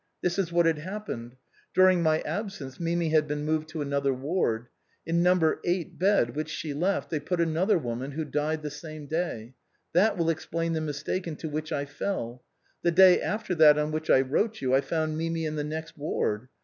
This is what had happened. During my absence Mimi had been moved to another ward. In No. 8 bed, which she left, they put another woman who died the same day. That will explain the mistake into which I fell. The day after that on which I wrote you, I found Mimi in the next ward.